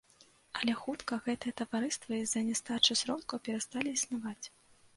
Але хутка гэтыя таварыствы з-за нястачы сродкаў перасталі існаваць.